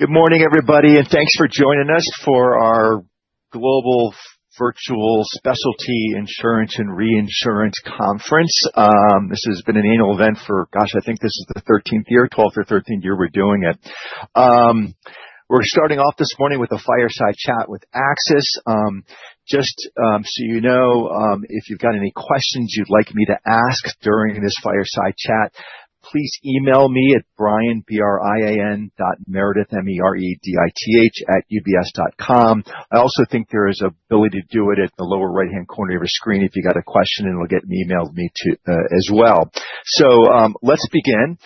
Good morning, everybody, and thanks for joining us for our Global Virtual Specialty Insurance and Reinsurance Conference. This has been an annual event for, gosh, I think this is the 13th year, 12th or 13th year we're doing it. We're starting off this morning with a fireside chat with AXIS. Just, so you know, if you've got any questions you'd like me to ask during this fireside chat, please email me at brian, B-R-I-A-N dot meredith, M-E-R-E-D-I-T-H at ubs.com. I also think there is an ability to do it at the lower right-hand corner of your screen if you've got a question, and it'll get emailed to me as well. So, let's begin.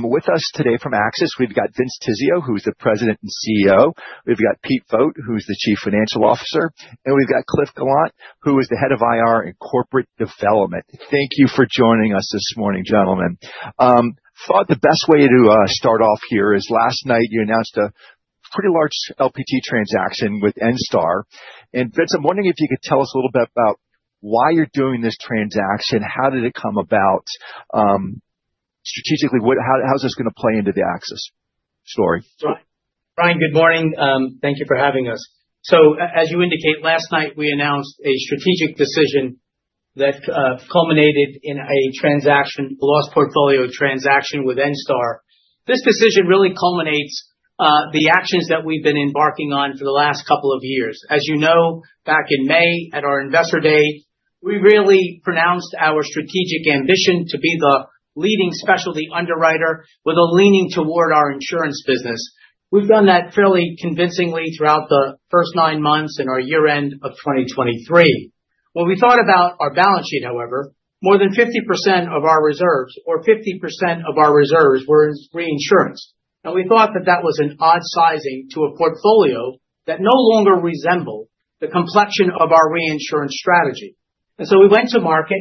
With us today from AXIS, we've got Vince Tizzio, who's the President and CEO. We've got Pete Vogt, who's the Chief Financial Officer, and we've got Cliff Gallant, who is the Head of IR and Corporate Development. Thank you for joining us this morning, gentlemen. I thought the best way to start off here is last night you announced a pretty large LPT transaction with Enstar. And Vince, I'm wondering if you could tell us a little bit about why you're doing this transaction. How did it come about? Strategically, what, how, how's this gonna play into the AXIS story? Brian, Brian, good morning. Thank you for having us. So, as you indicate, last night we announced a strategic decision that culminated in a transaction, a loss portfolio transaction with Enstar. This decision really culminates the actions that we've been embarking on for the last couple of years. As you know, back in May at our Investor Day, we really pronounced our strategic ambition to be the leading specialty underwriter with a leaning toward our insurance business. We've done that fairly convincingly throughout the first nine months and our year-end of 2023. When we thought about our balance sheet, however, more than 50% of our reserves, or 50% of our reserves, were in reinsurance. And we thought that that was an odd sizing to a portfolio that no longer resembled the complexion of our reinsurance strategy. And so we went to market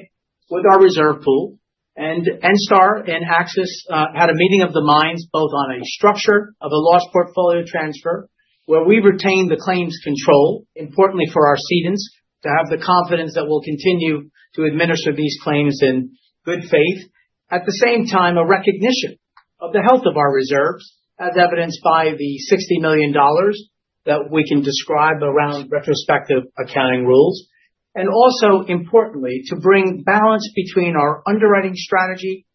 with our reserve pool, and Enstar and AXIS had a meeting of the minds both on a structure of a loss portfolio transfer where we retain the claims control, importantly for our cedents to have the confidence that we'll continue to administer these claims in good faith. At the same time, a recognition of the health of our reserves, as evidenced by the $60 million that we can describe around retrospective accounting rules, and also, importantly, to bring balance between our underwriting strategy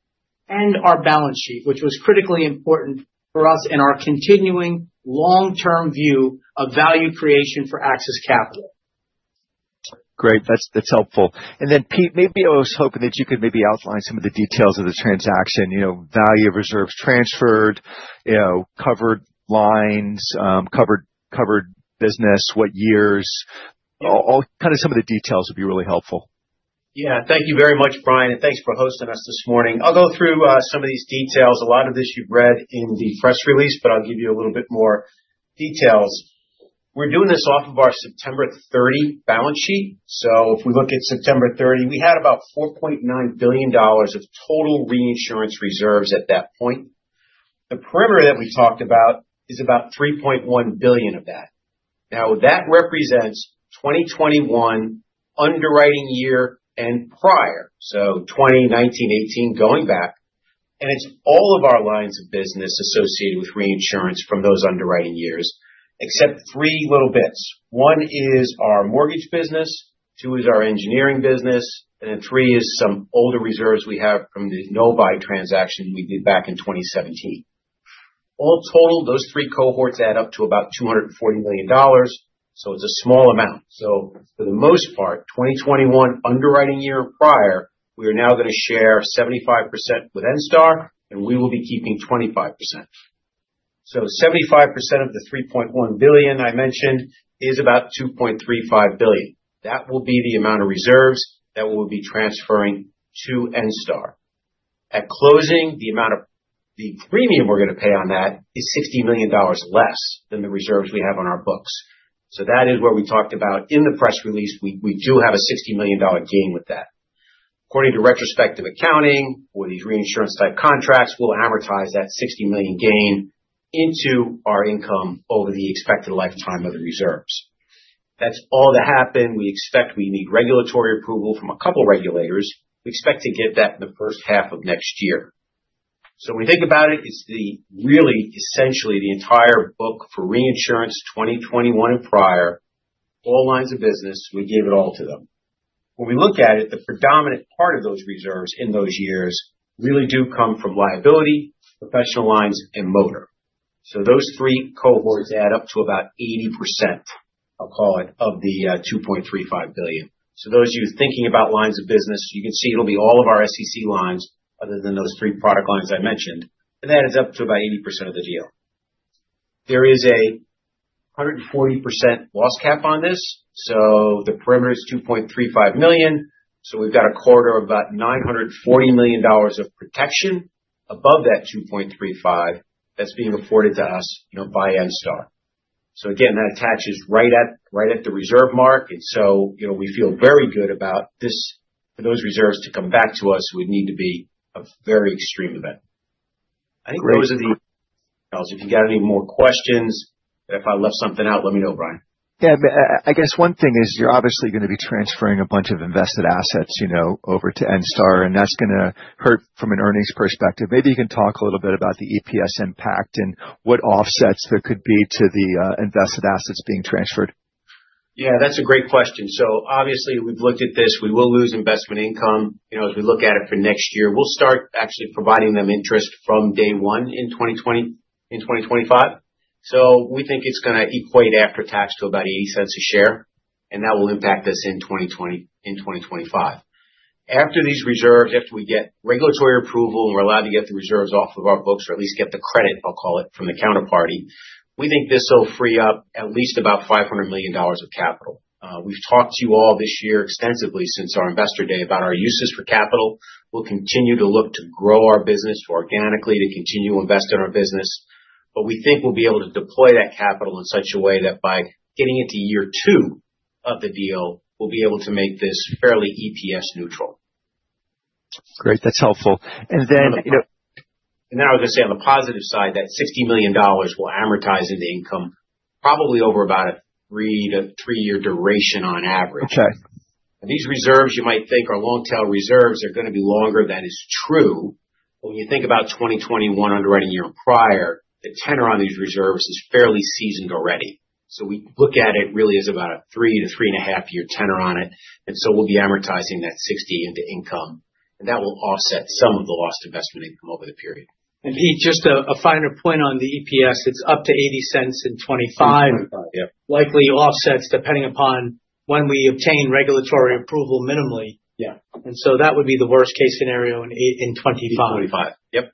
and our balance sheet, which was critically important for us in our continuing long-term view of value creation for AXIS Capital. Great. That's, that's helpful. And then, Pete, maybe I was hoping that you could maybe outline some of the details of the transaction, you know, value of reserves transferred, you know, covered lines, covered business, what years, all kind of some of the details would be really helpful. Yeah. Thank you very much, Brian, and thanks for hosting us this morning. I'll go through some of these details. A lot of this you've read in the press release, but I'll give you a little bit more details. We're doing this off of our September 30 balance sheet. So if we look at September 30, we had about $4.9 billion of total reinsurance reserves at that point. The perimeter that we talked about is about $3.1 billion of that. Now, that represents 2021 underwriting year and prior, so 2019, 2018, going back. And it's all of our lines of business associated with reinsurance from those underwriting years, except three little bits. One is our mortgage business, two is our engineering business, and then three is some older reserves we have from the Novae transaction we did back in 2017. All total, those three cohorts add up to about $240 million. So it's a small amount. So for the most part, 2021 underwriting year prior, we are now gonna share 75% with Enstar, and we will be keeping 25%. So 75% of the $3.1 billion I mentioned is about $2.35 billion. That will be the amount of reserves that we'll be transferring to Enstar. At closing, the amount of the premium we're gonna pay on that is $60 million less than the reserves we have on our books. So that is what we talked about in the press release. We do have a $60 million gain with that. According to retrospective accounting for these reinsurance-type contracts, we'll amortize that $60 million gain into our income over the expected lifetime of the reserves. That's all that happened. We expect we need regulatory approval from a couple of regulators. We expect to get that in the first half of next year. So when we think about it, it's really, essentially the entire book for reinsurance 2021 and prior, all lines of business. We gave it all to them. When we look at it, the predominant part of those reserves in those years really do come from liability, professional lines, and motor. So those three cohorts add up to about 80%, I'll call it, of the $2.35 billion. So those of you thinking about lines of business, you can see it'll be all of our SEC lines other than those three product lines I mentioned, and that adds up to about 80% of the deal. There is a 140% loss cap on this. So the perimeter is $2.35 million. We've got a quarter of about $940 million of protection above that $2.35 that's being afforded to us, you know, by Enstar. So again, that attaches right at the reserve mark. And so, you know, we feel very good about this. For those reserves to come back to us, it would need to be a very extreme event. I think those are the details. If you've got any more questions, if I left something out, let me know, Brian. Yeah. I guess one thing is you're obviously gonna be transferring a bunch of invested assets, you know, over to Enstar, and that's gonna hurt from an earnings perspective. Maybe you can talk a little bit about the EPS impact and what offsets there could be to the invested assets being transferred? Yeah. That's a great question. So obviously, we've looked at this. We will lose investment income, you know, as we look at it for next year. We'll start actually providing them interest from day one in 2020, in 2025. So we think it's gonna equate after tax to about $0.80 a share, and that will impact us in 2020, in 2025. After these reserves, after we get regulatory approval and we're allowed to get the reserves off of our books or at least get the credit, I'll call it, from the counterparty, we think this will free up at least about $500 million of capital. We've talked to you all this year extensively since our Investor Day about our uses for capital. We'll continue to look to grow our business organically, to continue investing in our business. But we think we'll be able to deploy that capital in such a way that by getting into year two of the deal, we'll be able to make this fairly EPS neutral. Great. That's helpful. And then, you know. And then I was gonna say on the positive side, that $60 million will amortize into income probably over about a three- to three-year duration on average. Okay. These reserves, you might think are long-tail reserves. They're gonna be longer. That is true. But when you think about 2021 underwriting year prior, the tenor on these reserves is fairly seasoned already. So we look at it really as about a three to three and a half year tenor on it. And so we'll be amortizing that 60 into income, and that will offset some of the lost investment income over the period. And Pete, just a final point on the EPS. It's up to $0.80 in 2025. '25. Yep. Likely offsets depending upon when we obtain regulatory approval minimally. Yeah. And so that would be the worst-case scenario in 2025. Yep.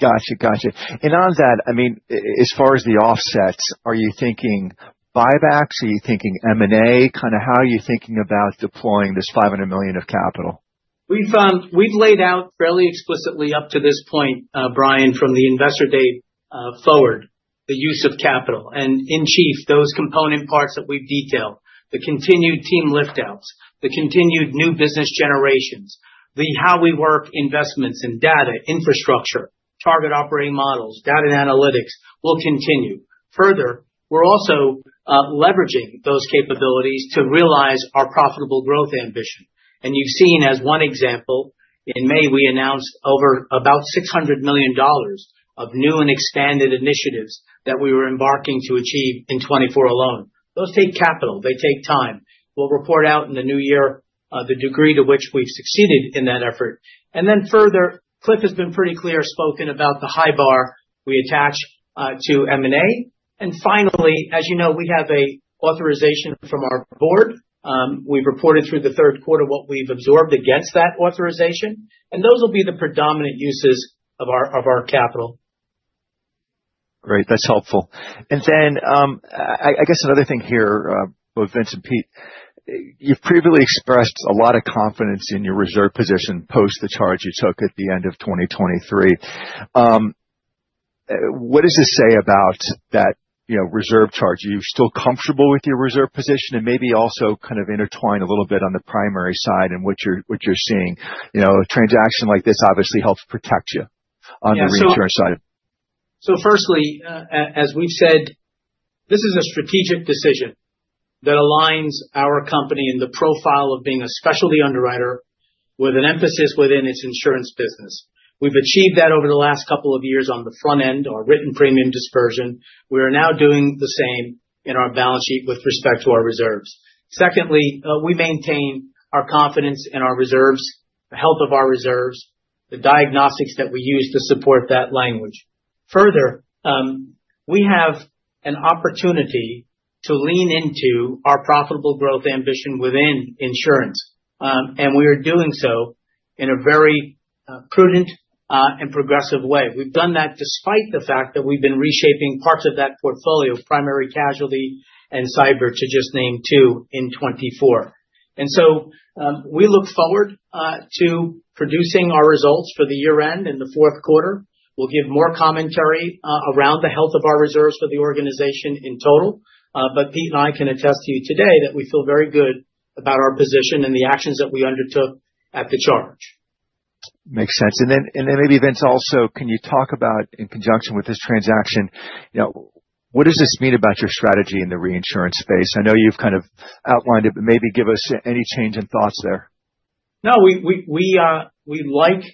Gotcha. Gotcha. And on that, I mean, as far as the offsets, are you thinking buybacks? Are you thinking M&A? Kinda how are you thinking about deploying this $500 million of capital? We've laid out fairly explicitly up to this point, Brian, from the Investor Day forward, the use of capital. In chief, those component parts that we've detailed, the continued team liftouts, the continued new business generations, the How We Work investments and data infrastructure, target operating models, data and analytics will continue. Further, we're also leveraging those capabilities to realize our profitable growth ambition. You've seen, as one example, in May, we announced over about $600 million of new and expanded initiatives that we were embarking to achieve in 2024 alone. Those take capital. They take time. We'll report out in the new year the degree to which we've succeeded in that effort. Then further, Cliff has been pretty clear spoken about the high bar we attach to M&A. Finally, as you know, we have an authorization from our board. We've reported through the third quarter what we've absorbed against that authorization, and those will be the predominant uses of our capital. Great. That's helpful. And then, I guess another thing here, both Vince and Pete, you've previously expressed a lot of confidence in your reserve position post the charge you took at the end of 2023. What does this say about that, you know, reserve charge? Are you still comfortable with your reserve position? And maybe also kind of intertwined a little bit on the primary side and what you're seeing. You know, a transaction like this obviously helps protect you on the reinsurance side. Firstly, as we've said, this is a strategic decision that aligns our company in the profile of being a specialty underwriter with an emphasis within its insurance business. We've achieved that over the last couple of years on the front end, our written premium dispersion. We are now doing the same in our balance sheet with respect to our reserves. Secondly, we maintain our confidence in our reserves, the health of our reserves, the diagnostics that we use to support that language. Further, we have an opportunity to lean into our profitable growth ambition within insurance, and we are doing so in a very, prudent, and progressive way. We've done that despite the fact that we've been reshaping parts of that portfolio, primary casualty and cyber, to just name two, in 2024. And so, we look forward to producing our results for the year-end in the fourth quarter. We'll give more commentary, around the health of our reserves for the organization in total, but Pete and I can attest to you today that we feel very good about our position and the actions that we undertook at the charge. Makes sense. And then maybe, Vince, also, can you talk about, in conjunction with this transaction, you know, what does this mean about your strategy in the reinsurance space? I know you've kind of outlined it, but maybe give us any change in thoughts there. No, we like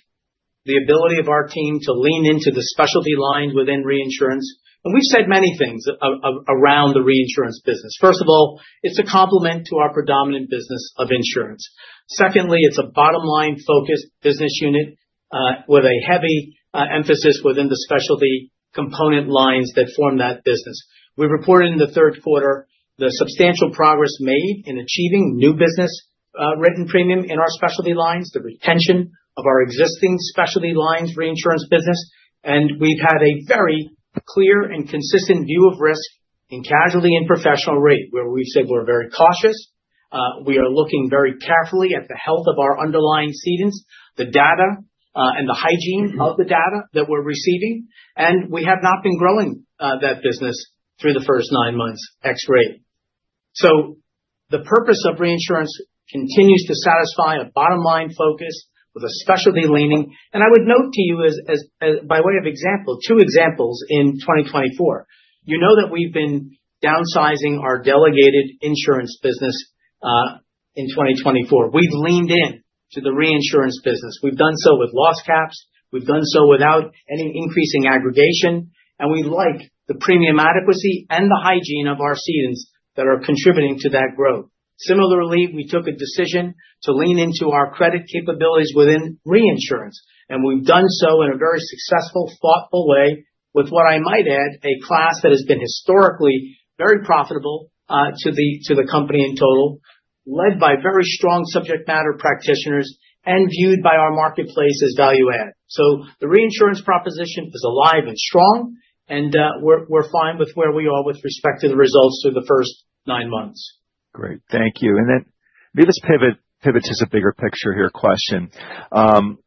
the ability of our team to lean into the specialty lines within reinsurance. And we've said many things around the reinsurance business. First of all, it's a complement to our predominant business of insurance. Secondly, it's a bottom-line-focused business unit, with a heavy emphasis within the specialty component lines that form that business. We reported in the third quarter the substantial progress made in achieving new business, written premium in our specialty lines, the retention of our existing specialty lines reinsurance business. And we've had a very clear and consistent view of risk in casualty and professional rate, where we've said we're very cautious. We are looking very carefully at the health of our underlying cedents, the data, and the hygiene of the data that we're receiving. And we have not been growing that business through the first nine months year-to-date. The purpose of reinsurance continues to satisfy a bottom-line focus with a specialty leaning. I would note to you as by way of example two examples in 2024. You know that we've been downsizing our delegated insurance business in 2024. We've leaned in to the reinsurance business. We've done so with loss caps. We've done so without any increasing aggregation. We like the premium adequacy and the hygiene of our cedents that are contributing to that growth. Similarly, we took a decision to lean into our credit capabilities within reinsurance. We've done so in a very successful, thoughtful way with what I might add a class that has been historically very profitable to the company in total, led by very strong subject matter practitioners and viewed by our marketplace as value-add. The reinsurance proposition is alive and strong. We're fine with where we are with respect to the results through the first nine months. Great. Thank you. And then maybe this pivot, pivot to the bigger picture here question.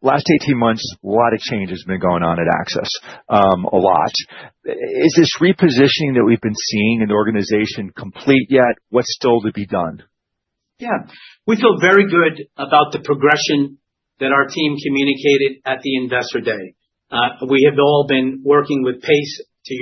Last 18 months, a lot of change has been going on at AXIS. A lot. Is this repositioning that we've been seeing in the organization complete yet? What's still to be done? Yeah. We feel very good about the progression that our team communicated at the Investor day. We have all been working with pace, to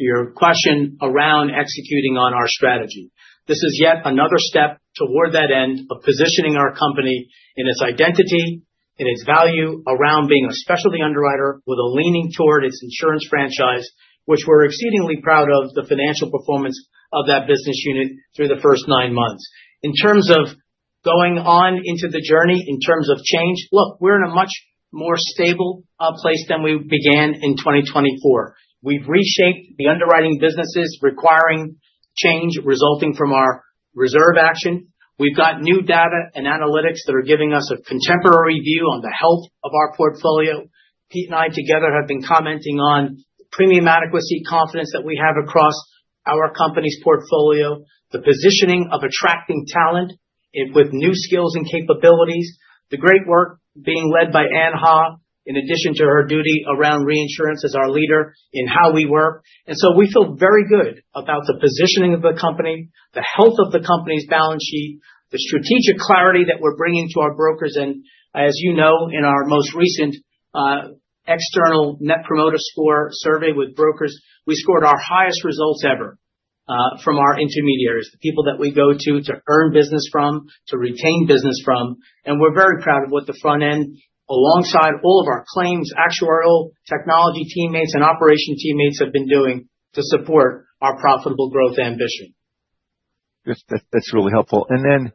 your question, around executing on our strategy. This is yet another step toward that end of positioning our company in its identity, in its value around being a specialty underwriter with a leaning toward its insurance franchise, which we're exceedingly proud of the financial performance of that business unit through the first nine months. In terms of going on into the journey, in terms of change, look, we're in a much more stable place than we began in 2024. We've reshaped the underwriting businesses, requiring change resulting from our reserve action. We've got new data and analytics that are giving us a contemporary view on the health of our portfolio. Pete and I together have been commenting on the premium adequacy confidence that we have across our company's portfolio, the positioning of attracting talent with new skills and capabilities, the great work being led by Ann Haugh in addition to her duty around reinsurance as our leader in How We Work. And so we feel very good about the positioning of the company, the health of the company's balance sheet, the strategic clarity that we're bringing to our brokers. And as you know, in our most recent external Net Promoter Score survey with brokers, we scored our highest results ever from our intermediaries, the people that we go to to earn business from, to retain business from. And we're very proud of what the front end, alongside all of our claims, actuarial technology teammates and operation teammates have been doing to support our profitable growth ambition. That's really helpful. And then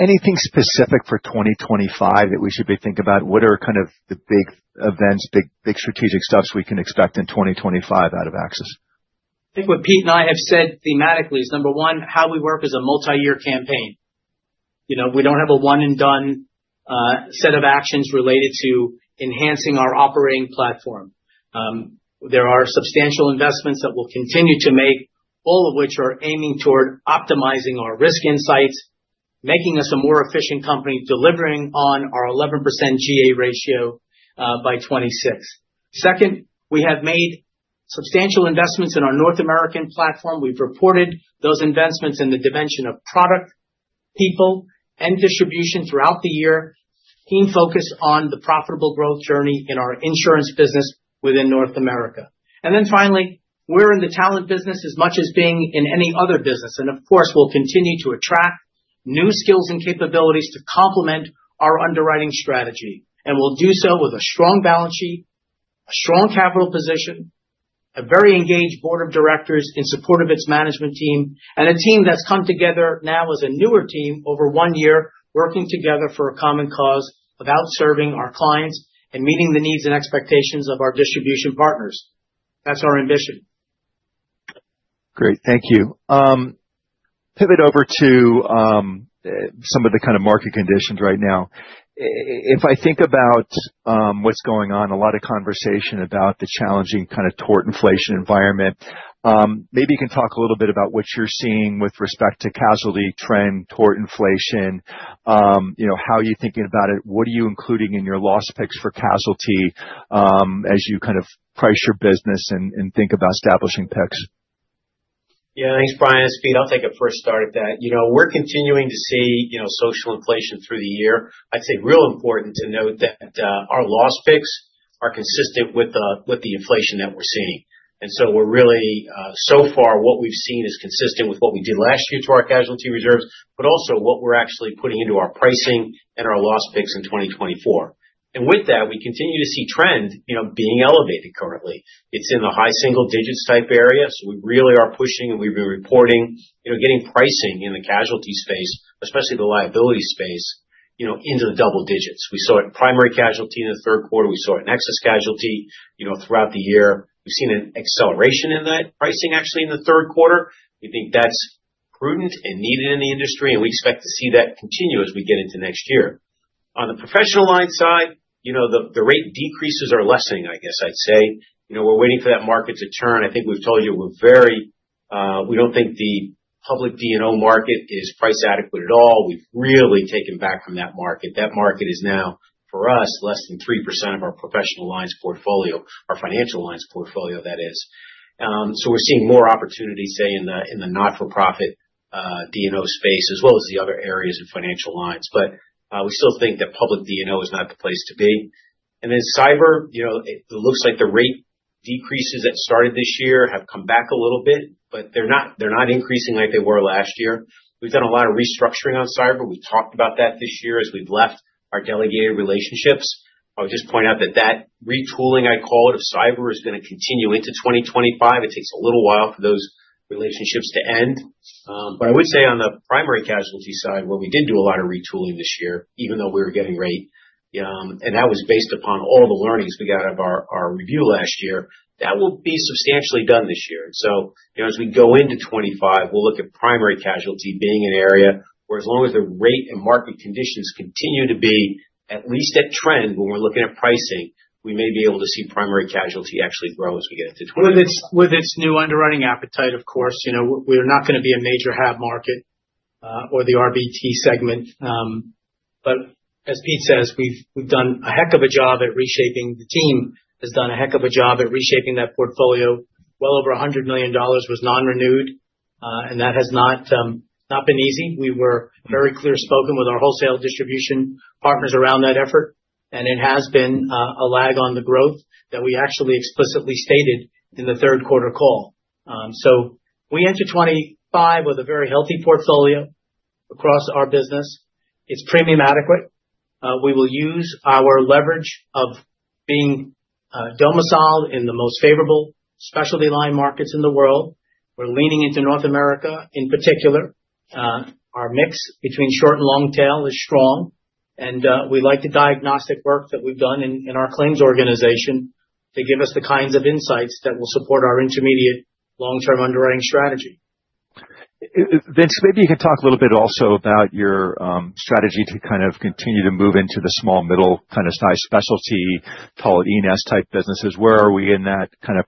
anything specific for 2025 that we should be thinking about? What are kind of the big events, big strategic stuffs we can expect in 2025 out of AXIS? I think what Pete and I have said thematically is, number one, How We Work as a multi-year campaign. You know, we don't have a one-and-done, set of actions related to enhancing our operating platform. There are substantial investments that we'll continue to make, all of which are aiming toward optimizing our risk insights, making us a more efficient company, delivering on our 11% GA ratio, by 2026. Second, we have made substantial investments in our North American platform. We've reported those investments in the dimension of product, people, and distribution throughout the year, being focused on the profitable growth journey in our insurance business within North America. And then finally, we're in the talent business as much as being in any other business. And of course, we'll continue to attract new skills and capabilities to complement our underwriting strategy. We'll do so with a strong balance sheet, a strong capital position, a very engaged board of directors in support of its management team, and a team that's come together now as a newer team over one year, working together for a common cause of outserving our clients and meeting the needs and expectations of our distribution partners. That's our ambition. Great. Thank you. Pivot over to some of the kind of market conditions right now. If I think about what's going on, a lot of conversation about the challenging kind of tort inflation environment. Maybe you can talk a little bit about what you're seeing with respect to casualty trend, tort inflation, you know, how you're thinking about it. What are you including in your loss picks for casualty, as you kind of price your business and think about establishing picks? Yeah. Thanks, Brian. That's Pete. I'll take a first start at that. You know, we're continuing to see, you know, social inflation through the year. I'd say real important to note that, our loss picks are consistent with the, with the inflation that we're seeing. And so we're really, so far what we've seen is consistent with what we did last year to our casualty reserves, but also what we're actually putting into our pricing and our loss picks in 2024. And with that, we continue to see trend, you know, being elevated currently. It's in the high single digits type area. So we really are pushing, and we've been reporting, you know, getting pricing in the casualty space, especially the liability space, you know, into the double digits. We saw it in primary casualty in the third quarter. We saw it in excess casualty, you know, throughout the year. We've seen an acceleration in that pricing, actually, in the third quarter. We think that's prudent and needed in the industry, and we expect to see that continue as we get into next year. On the professional line side, you know, the rate decreases are lessening, I guess I'd say. You know, we're waiting for that market to turn. I think we've told you we're very, we don't think the public D&O market is price adequate at all. We've really taken back from that market. That market is now, for us, less than 3% of our professional lines portfolio, our financial lines portfolio, that is. So we're seeing more opportunity, say, in the, in the not-for-profit, D&O space, as well as the other areas of financial lines. But, we still think that public D&O is not the place to be. And then cyber, you know, it looks like the rate decreases that started this year have come back a little bit, but they're not, they're not increasing like they were last year. We've done a lot of restructuring on cyber. We talked about that this year as we've left our delegated relationships. I would just point out that that retooling, I'd call it, of cyber is going to continue into 2025. It takes a little while for those relationships to end. But I would say on the primary casualty side, where we did do a lot of retooling this year, even though we were getting rate, and that was based upon all the learnings we got of our review last year, that will be substantially done this year. And so, you know, as we go into 2025, we'll look at primary casualty being an area where, as long as the rate and market conditions continue to be at least at trend when we're looking at pricing, we may be able to see primary casualty actually grow as we get into 2025. With its new underwriting appetite, of course, you know, we're not going to be a major hard market, or the RBT segment, but as Pete says, we've done a heck of a job at reshaping. The team has done a heck of a job at reshaping that portfolio. Well over $100 million was non-renewed, and that has not been easy. We were very clear-spoken with our wholesale distribution partners around that effort. And it has been a lag on the growth that we actually explicitly stated in the third quarter call, so we entered 2025 with a very healthy portfolio across our business. It's premium adequate. We will use our leverage of being domiciled in the most favorable specialty line markets in the world. We're leaning into North America in particular. Our mix between short and long tail is strong. We like the diagnostic work that we've done in our claims organization to give us the kinds of insights that will support our intermediate long-term underwriting strategy. Vince, maybe you could talk a little bit also about your strategy to kind of continue to move into the small, middle kind of size specialty, call it E&S type businesses. Where are we in that kind of?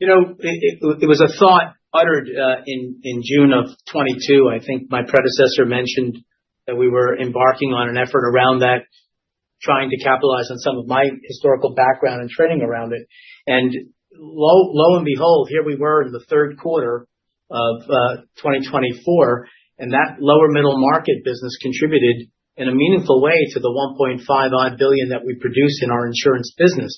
You know, it was a thought uttered in June of 2022. I think my predecessor mentioned that we were embarking on an effort around that, trying to capitalize on some of my historical background and training around it. Lo and behold, here we were in the third quarter of 2024. That lower middle market business contributed in a meaningful way to the $1.5-odd billion that we produced in our insurance business.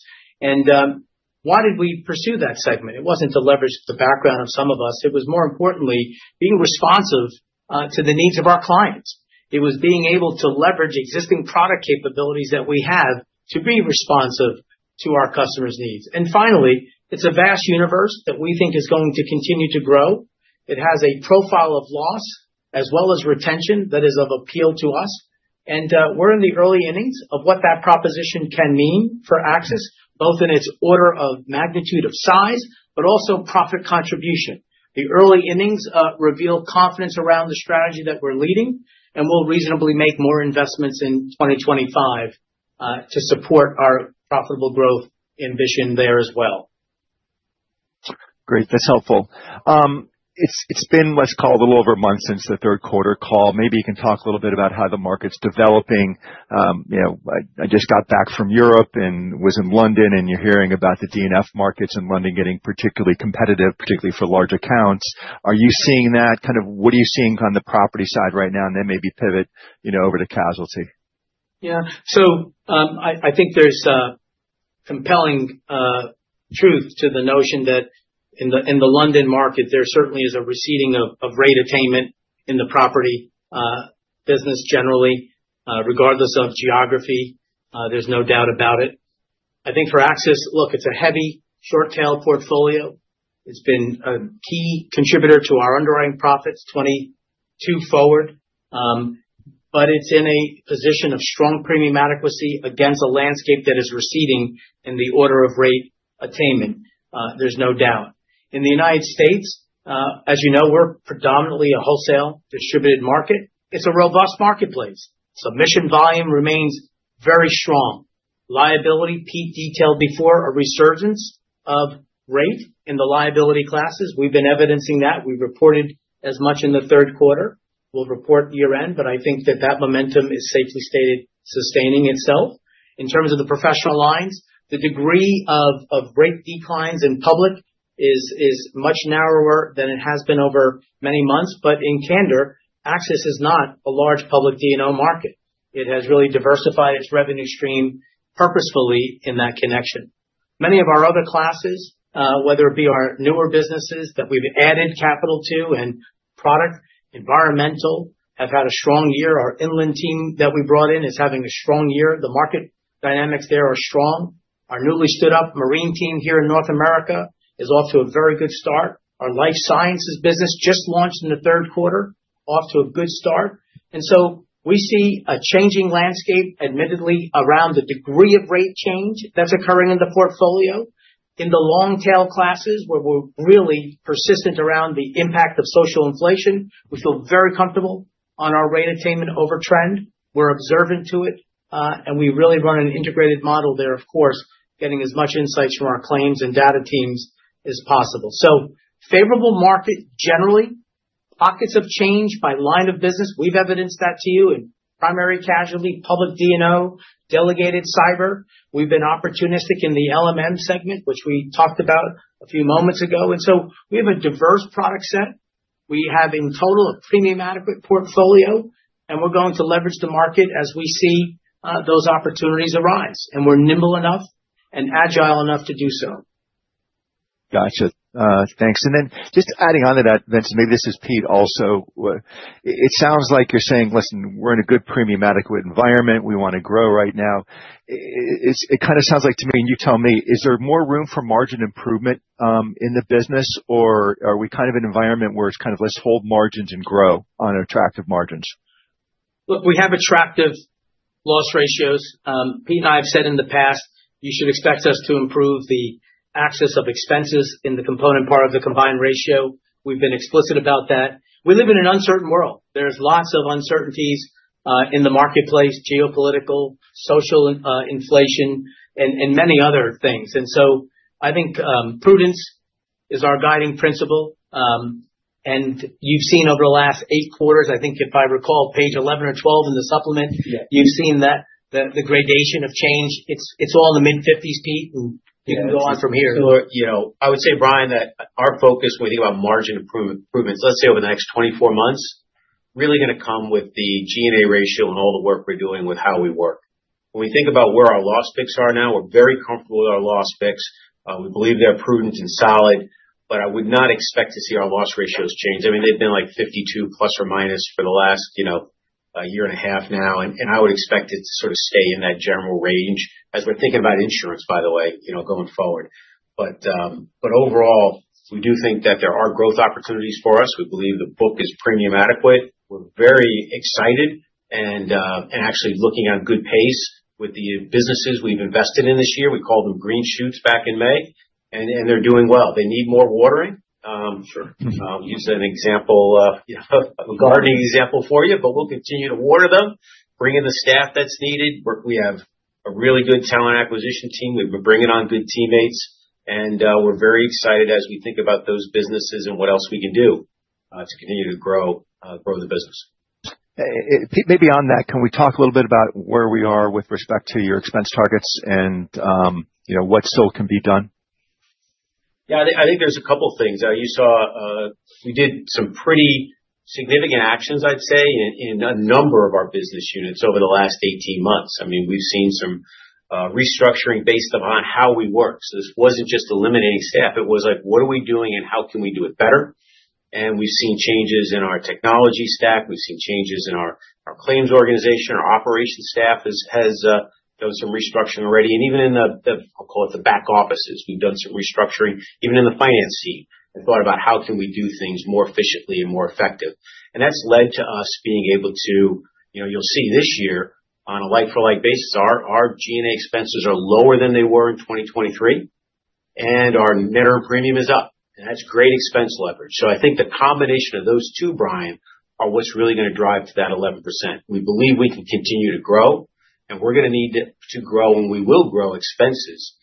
Why did we pursue that segment? It wasn't to leverage the background of some of us. It was, more importantly, being responsive to the needs of our clients. It was being able to leverage existing product capabilities that we have to be responsive to our customers' needs. Finally, it's a vast universe that we think is going to continue to grow. It has a profile of loss as well as retention that is of appeal to us, and we're in the early innings of what that proposition can mean for AXIS, both in its order of magnitude of size, but also profit contribution. The early innings reveal confidence around the strategy that we're leading, and we'll reasonably make more investments in 2025 to support our profitable growth ambition there as well. Great. That's helpful. It's been, let's call it a little over a month since the third quarter call. Maybe you can talk a little bit about how the market's developing. You know, I just got back from Europe and was in London, and you're hearing about the D&F markets in London getting particularly competitive, particularly for large accounts. Are you seeing that? Kind of what are you seeing on the property side right now? And then maybe pivot, you know, over to casualty. Yeah. So, I think there's compelling truth to the notion that in the London market, there certainly is a receding of rate attainment in the property business generally, regardless of geography. There's no doubt about it. I think for AXIS, look, it's a heavy short-tail portfolio. It's been a key contributor to our underwriting profits 2022 forward. But it's in a position of strong premium adequacy against a landscape that is receding in the order of rate attainment. There's no doubt. In the United States, as you know, we're predominantly a wholesale distributed market. It's a robust marketplace. Submission volume remains very strong. Liability, Pete detailed before, a resurgence of rate in the liability classes. We've been evidencing that. We reported as much in the third quarter. We'll report year-end, but I think that that momentum is safely stated, sustaining itself. In terms of the professional lines, the degree of rate declines in public is much narrower than it has been over many months. But in candor, AXIS is not a large public D&O market. It has really diversified its revenue stream purposefully in that connection. Many of our other classes, whether it be our newer businesses that we've added capital to and product environmental have had a strong year. Our inland team that we brought in is having a strong year. The market dynamics there are strong. Our newly stood-up marine team here in North America is off to a very good start. Our life sciences business just launched in the third quarter, off to a good start. And so we see a changing landscape, admittedly, around the degree of rate change that's occurring in the portfolio. In the long-tail classes, where we're really persistent around the impact of social inflation, we feel very comfortable on our rate attainment over trend. We're observant to it, and we really run an integrated model there, of course, getting as much insights from our claims and data teams as possible. So favorable market generally, pockets of change by line of business. We've evidenced that to you in primary casualty, public D&O, delegated cyber. We've been opportunistic in the LMM segment, which we talked about a few moments ago. And so we have a diverse product set. We have in total a premium adequate portfolio, and we're going to leverage the market as we see those opportunities arise. And we're nimble enough and agile enough to do so. Gotcha. Thanks. And then just adding on to that, Vincent, maybe this is Pete also. It sounds like you're saying, "Listen, we're in a good premium adequate environment. We want to grow right now." It's, it kind of sounds like to me, and you tell me, is there more room for margin improvement in the business, or are we kind of in an environment where it's kind of, "Let's hold margins and grow on attractive margins"? Look, we have attractive loss ratios. Pete and I have said in the past, you should expect us to improve the expense component of the combined ratio. We've been explicit about that. We live in an uncertain world. There's lots of uncertainties in the marketplace, geopolitical, social, inflation, and many other things. And so I think prudence is our guiding principle. And you've seen over the last eight quarters, I think, if I recall, page 11 or 12 in the supplement. Yeah. You've seen that the gradation of change, it's all in the mid-50s, Pete, and you can go on from here. Yeah. So, you know, I would say, Brian, that our focus when we think about margin improvement, improvements, let's say over the next 24 months, really going to come with the G&A ratio and all the work we're doing with How We Work. When we think about where our loss picks are now, we're very comfortable with our loss picks. We believe they're prudent and solid, but I would not expect to see our loss ratios change. I mean, they've been like 52 plus or minus for the last, you know, year and a half now. And I would expect it to sort of stay in that general range as we're thinking about insurance, by the way, you know, going forward. But overall, we do think that there are growth opportunities for us. We believe the book is premium adequate. We're very excited and actually looking at a good pace with the businesses we've invested in this year. We called them green shoots back in May, and they're doing well. They need more watering. Sure. Use an example of, you know, a gardening example for you, but we'll continue to water them, bring in the staff that's needed. We have a really good talent acquisition team. We've been bringing on good teammates, and we're very excited as we think about those businesses and what else we can do, to continue to grow the business. Pete, maybe on that, can we talk a little bit about where we are with respect to your expense targets and, you know, what still can be done? Yeah. I think, I think there's a couple of things. You saw, we did some pretty significant actions, I'd say, in a number of our business units over the last 18 months. I mean, we've seen some restructuring based upon How We Work. So this wasn't just eliminating staff. It was like, "What are we doing and how can we do it better?" And we've seen changes in our technology stack. We've seen changes in our claims organization. Our operations staff has done some restructuring already. And even in the back offices, we've done some restructuring. Even in the finance team, we thought about how can we do things more efficiently and more effective. That's led to us being able to, you know, you'll see this year on a like-for-like basis, our G&A expenses are lower than they were in 2023, and our net earned premium is up. That's great expense leverage. I think the combination of those two, Brian, are what's really going to drive to that 11%. We believe we can continue to grow, and we're going to need to grow, and we will grow expenses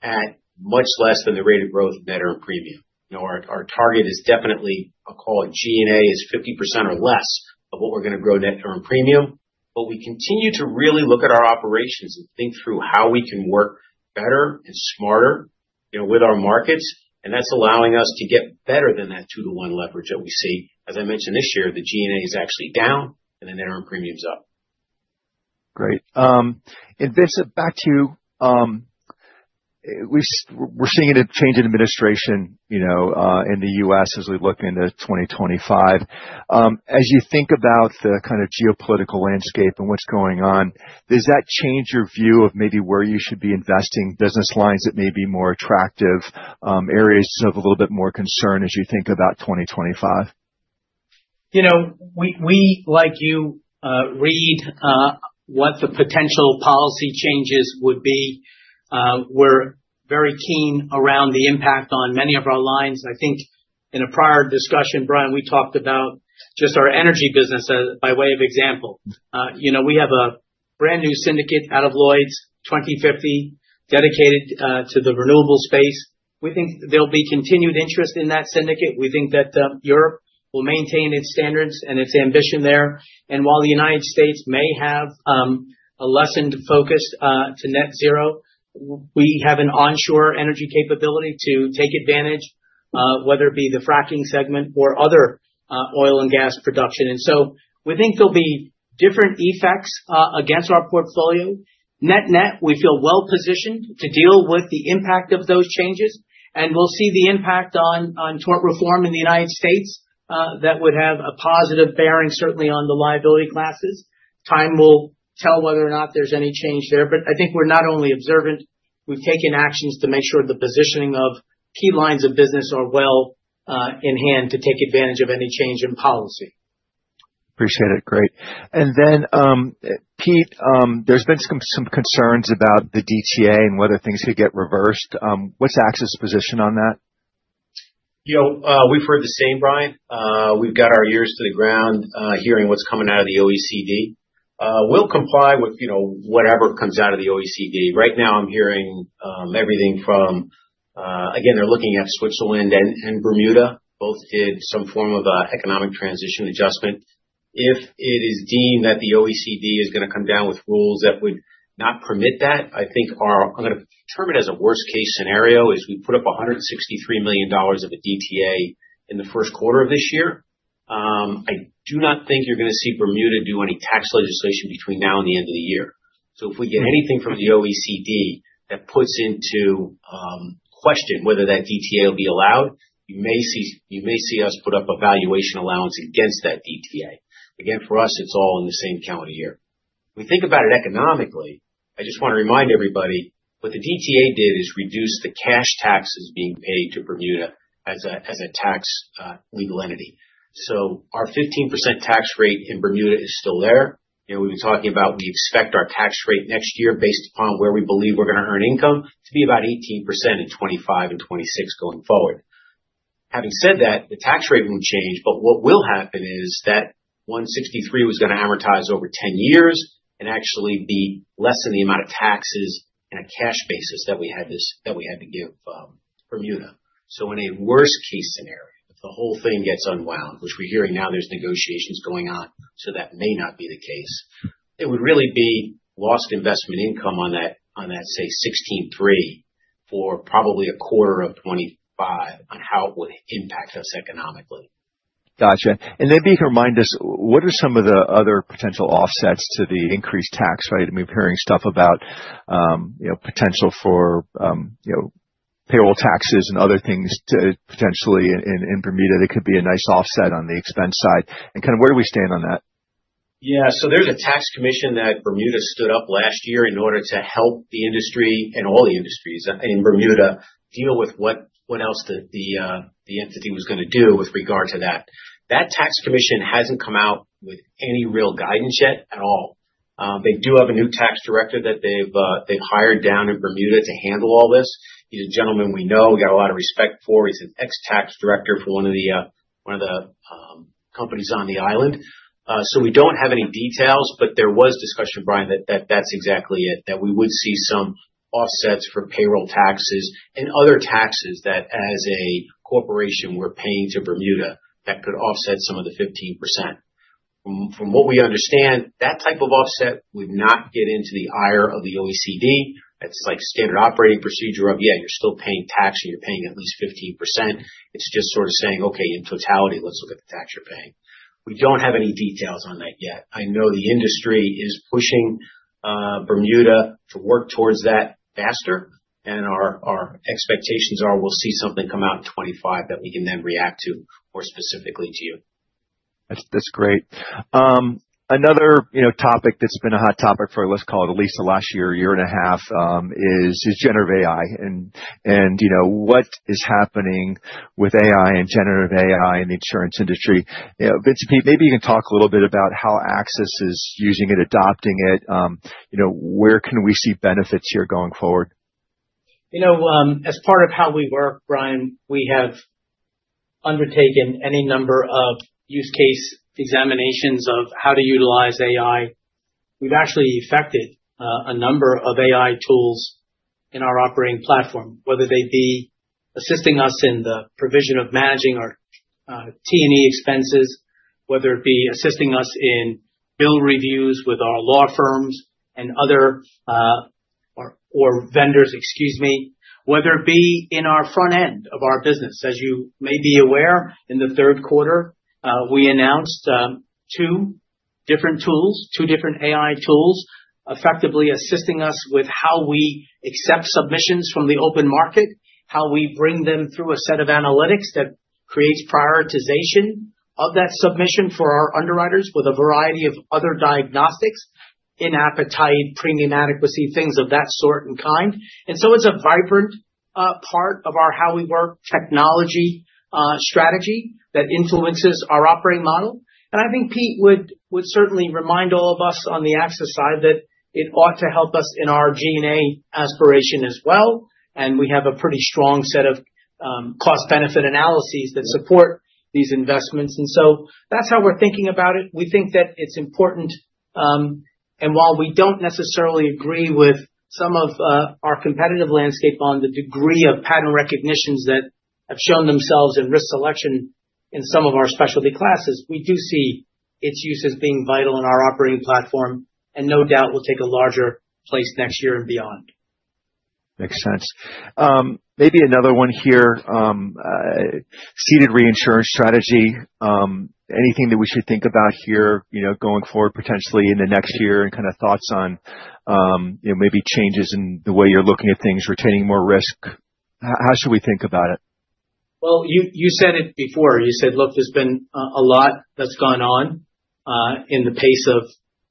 at much less than the rate of growth net earned premium. You know, our target is definitely, I'll call it G&A, is 50% or less of what we're going to grow net earned premium. We continue to really look at our operations and think through how we can work better and smarter, you know, with our markets. And that's allowing us to get better than that two-to-one leverage that we see. As I mentioned this year, the G&A is actually down, and the net earned premium's up. Great. And Vincent, back to you. We're seeing a change in administration, you know, in the U.S. as we look into 2025. As you think about the kind of geopolitical landscape and what's going on, does that change your view of maybe where you should be investing, business lines that may be more attractive, areas of a little bit more concern as you think about 2025? You know, we, like you, read what the potential policy changes would be. We're very keen around the impact on many of our lines. I think in a prior discussion, Brian, we talked about just our energy business as by way of example. You know, we have a brand new syndicate out of Lloyd's, 2050, dedicated to the renewable space. We think there'll be continued interest in that syndicate. We think that Europe will maintain its standards and its ambition there. And while the United States may have a less focused to net zero, we have an onshore energy capability to take advantage, whether it be the fracking segment or other oil and gas production. And so we think there'll be different effects across our portfolio. Net net, we feel well positioned to deal with the impact of those changes. We'll see the impact on tort reform in the United States, that would have a positive bearing, certainly, on the liability classes. Time will tell whether or not there's any change there. But I think we're not only observant. We've taken actions to make sure the positioning of key lines of business are well in hand to take advantage of any change in policy. Appreciate it. Great. And then, Pete, there's been some concerns about the DTA and whether things could get reversed. What's AXIS position on that? You know, we've heard the same, Brian. We've got our ears to the ground, hearing what's coming out of the OECD. We'll comply with, you know, whatever comes out of the OECD. Right now, I'm hearing everything from, again, they're looking at Switzerland and Bermuda, both did some form of economic transition adjustment. If it is deemed that the OECD is going to come down with rules that would not permit that, I think our I'm going to term it as a worst-case scenario is we put up $163 million of a DTA in the first quarter of this year. I do not think you're going to see Bermuda do any tax legislation between now and the end of the year. If we get anything from the OECD that puts into question whether that DTA will be allowed, you may see, you may see us put up a valuation allowance against that DTA. Again, for us, it's all in the same calendar year. We think about it economically. I just want to remind everybody what the DTA did is reduce the cash taxes being paid to Bermuda as a tax legal entity. So our 15% tax rate in Bermuda is still there. You know, we've been talking about we expect our tax rate next year based upon where we believe we're going to earn income to be about 18% in 2025 and 2026 going forward. Having said that, the tax rate won't change, but what will happen is that 163 was going to amortize over 10 years and actually be less than the amount of taxes in a cash basis that we had to give, Bermuda. So in a worst-case scenario, if the whole thing gets unwound, which we're hearing now there's negotiations going on, so that may not be the case, it would really be lost investment income on that, say, 163 for probably a quarter of 2025 on how it would impact us economically. Gotcha. Then Pete, remind us, what are some of the other potential offsets to the increased tax, right? I mean, we're hearing stuff about, you know, potential for, you know, payroll taxes and other things to potentially in Bermuda that could be a nice offset on the expense side. Kind of, where do we stand on that? Yeah. So there's a tax commission that Bermuda stood up last year in order to help the industry and all the industries in Bermuda deal with what else the entity was going to do with regard to that. That tax commission hasn't come out with any real guidance yet at all. They do have a new tax director that they've hired down in Bermuda to handle all this. He's a gentleman we know. We got a lot of respect for. He's an ex-tax director for one of the companies on the island. So we don't have any details, but there was discussion, Brian, that that's exactly it, that we would see some offsets for payroll taxes and other taxes that as a corporation we're paying to Bermuda that could offset some of the 15%. From what we understand, that type of offset would not get into the ire of the OECD. It's like standard operating procedure of, yeah, you're still paying tax and you're paying at least 15%. It's just sort of saying, okay, in totality, let's look at the tax you're paying. We don't have any details on that yet. I know the industry is pushing Bermuda to work towards that faster. And our expectations are we'll see something come out in 2025 that we can then react to more specifically to you. That's great. Another, you know, topic that's been a hot topic for, what's called, at least the last year and a half, is generative AI. And, you know, what is happening with AI and generative AI in the insurance industry? You know, Vincent, Pete, maybe you can talk a little bit about how AXIS is using it, adopting it. You know, where can we see benefits here going forward? You know, as part of How We Work, Brian, we have undertaken any number of use case examinations of how to utilize AI. We've actually effected a number of AI tools in our operating platform, whether they be assisting us in the provision of managing our T&E expenses, whether it be assisting us in bill reviews with our law firms and other, or, or vendors, excuse me, whether it be in our front end of our business. As you may be aware, in the third quarter, we announced two different tools, two different AI tools, effectively assisting us with how we accept submissions from the open market, how we bring them through a set of analytics that creates prioritization of that submission for our underwriters with a variety of other diagnostics, inappetite, premium adequacy, things of that sort and kind. And so it's a vibrant part of our How We Work technology strategy that influences our operating model. And I think Pete would certainly remind all of us on the AXIS side that it ought to help us in our G&A aspiration as well. And we have a pretty strong set of cost-benefit analyses that support these investments. And so that's how we're thinking about it. We think that it's important, and while we don't necessarily agree with some of our competitive landscape on the degree of pattern recognitions that have shown themselves in risk selection in some of our specialty classes, we do see its use as being vital in our operating platform and no doubt will take a larger place next year and beyond. Makes sense. Maybe another one here, ceded reinsurance strategy. Anything that we should think about here, you know, going forward potentially in the next year and kind of thoughts on, you know, maybe changes in the way you're looking at things, retaining more risk? How should we think about it? You said it before. You said, look, there's been a lot that's gone on in the pace of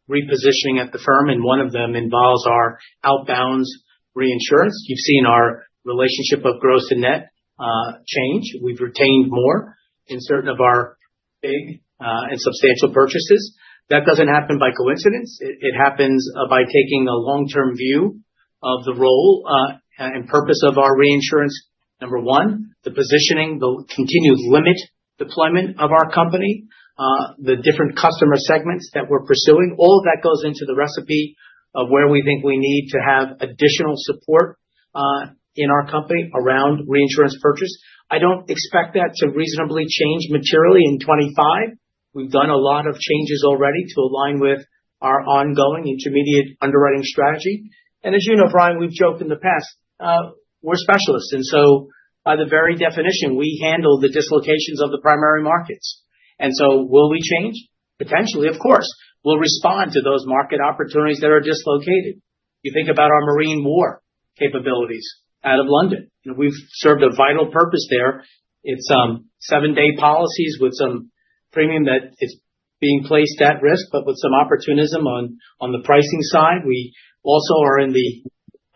repositioning at the firm, and one of them involves our outbounds reinsurance. You've seen our relationship of gross and net change. We've retained more in certain of our big and substantial purchases. That doesn't happen by coincidence. It happens by taking a long-term view of the role and purpose of our reinsurance. Number one, the positioning, the continued limit deployment of our company, the different customer segments that we're pursuing. All of that goes into the recipe of where we think we need to have additional support in our company around reinsurance purchase. I don't expect that to reasonably change materially in 2025. We've done a lot of changes already to align with our ongoing intermediate underwriting strategy. As you know, Brian, we've joked in the past. We're specialists. And so by the very definition, we handle the dislocations of the primary markets. And so will we change? Potentially, of course. We'll respond to those market opportunities that are dislocated. You think about our Marine War capabilities out of London. You know, we've served a vital purpose there. It's seven-day policies with some premium that is being placed at risk, but with some opportunism on the pricing side. We also are in the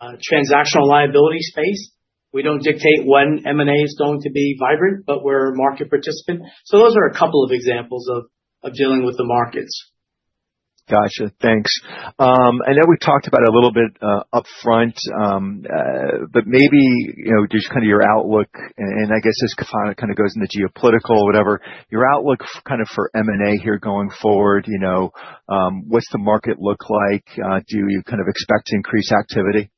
Transactional Liability space. We don't dictate when M&A is going to be vibrant, but we're a market participant. So those are a couple of examples of dealing with the markets. Gotcha. Thanks. I know we talked about it a little bit up front, but maybe, you know, just kind of your outlook, and, and I guess this kind of goes into geopolitical, whatever. Your outlook kind of for M&A here going forward, you know, what's the market look like? Do you kind of expect increased activity?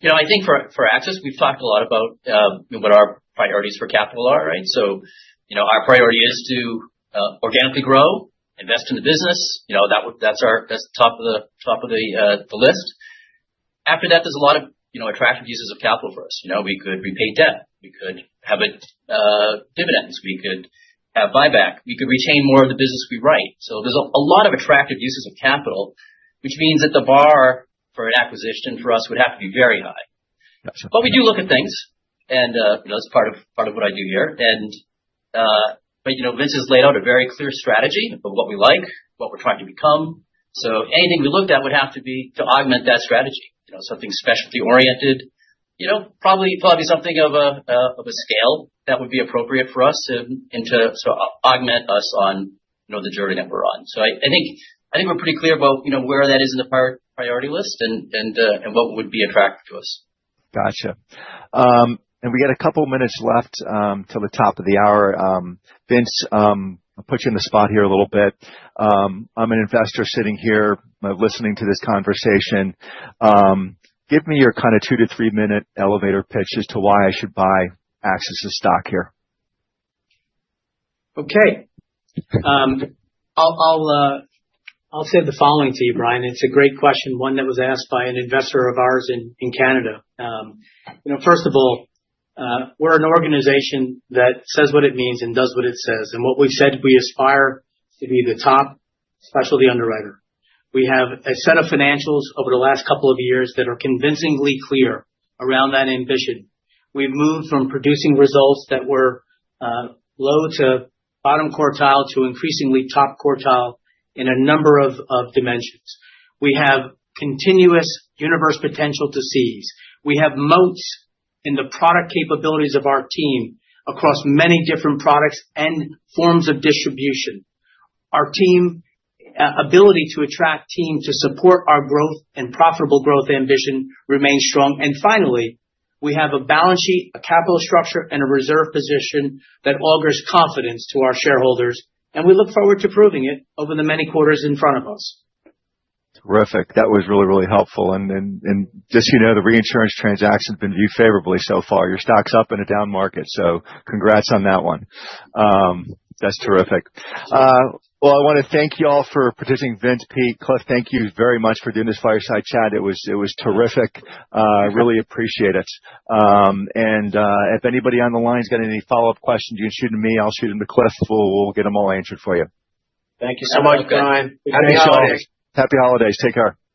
You know, I think for AXIS, we've talked a lot about, you know, what our priorities for capital are, right? So, you know, our priority is to organically grow, invest in the business. You know, that's our top of the list. After that, there's a lot of, you know, attractive uses of capital for us. You know, we could repay debt. We could have dividends. We could have buyback. We could retain more of the business we write. So there's a lot of attractive uses of capital, which means that the bar for an acquisition for us would have to be very high. Gotcha. But we do look at things and, you know, that's part of what I do here. But, you know, Vince has laid out a very clear strategy of what we like, what we're trying to become. So anything we looked at would have to be to augment that strategy, you know, something specialty-oriented, you know, probably something of a scale that would be appropriate for us and to sort of augment us on, you know, the journey that we're on. So I think we're pretty clear about, you know, where that is in our priority list and what would be attractive to us. Gotcha, and we got a couple minutes left, till the top of the hour. Vince, I'll put you in the spot here a little bit. I'm an investor sitting here, listening to this conversation. Give me your kind of two- to three-minute elevator pitch as to why I should buy AXIS's stock here. Okay. I'll say the following to you, Brian. It's a great question, one that was asked by an investor of ours in Canada. You know, first of all, we're an organization that says what it means and does what it says. And what we've said, we aspire to be the top specialty underwriter. We have a set of financials over the last couple of years that are convincingly clear around that ambition. We've moved from producing results that were low to bottom quartile to increasingly top quartile in a number of dimensions. We have continuous universe potential to seize. We have moats in the product capabilities of our team across many different products and forms of distribution. Our team, ability to attract team to support our growth and profitable growth ambition remains strong. And finally, we have a balance sheet, a capital structure, and a reserve position that augurs confidence to our shareholders. And we look forward to proving it over the many quarters in front of us. Terrific. That was really, really helpful. And just, you know, the reinsurance transaction has been viewed favorably so far. Your stock's up in a down market. So congrats on that one. That's terrific. Well, I want to thank you all for participating. Vince, Pete, Cliff, thank you very much for doing this Fireside Chat. It was, it was terrific. Really appreciate it. And, if anybody on the line's got any follow-up questions, you can shoot them to me. I'll shoot them to Cliff. We'll, we'll get them all answered for you. Thank you so much, Brian. Happy holidays. Happy holidays. Take care.